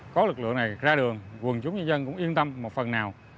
có lực lượng này ra đường quân chúng nhân dân cũng yên tâm một phần nào